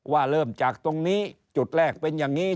ว่าเริ่มจากตรงนี้จุดแรกเป็นอย่างนี้